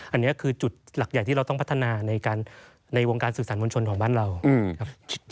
อันนี้คือจุดหลักใหญ่ที่เราต้องพัฒนาในวงการสื่อสารมวลชนของบ้านเราครับ